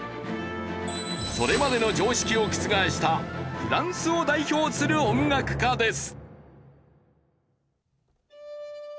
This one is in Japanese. それまでの常識を覆したフランスを代表する音楽家です。